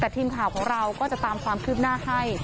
แต่ทีมข่าวของเราก็จะตามความคืบหน้าให้